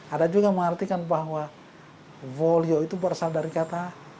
ada juga mengartikan bahwa wolio itu berasal dari kata